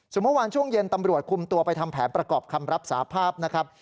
ส่วนเมื่อวานช่วงเย็นตำรวจคุมตัวไปทำแผนประกอบคำรับสาภาพนะครับ